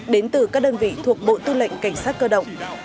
đến từ các đơn vị thuộc bộ tư lệnh cảnh sát cơ động